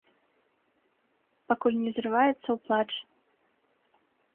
Пакуль не зрываецца ў плач.